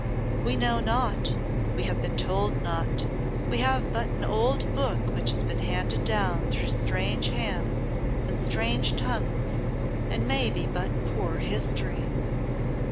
We know naught, we have been told naught; we have but an old book which has been handed down through strange hands and strange tongues, and may be but poor history.